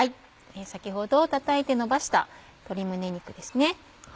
先ほど叩いて伸ばした鶏胸肉ですね。